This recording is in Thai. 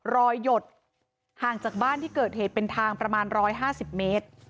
หยดห่างจากบ้านที่เกิดเหตุเป็นทางประมาณ๑๕๐เมตร